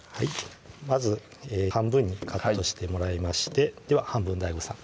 まず半分にカットしてもらいましてでは半分ＤＡＩＧＯさん